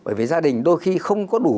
bởi vì gia đình đôi khi không có đủ